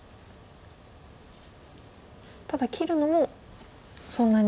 ただ切るのもそんなに。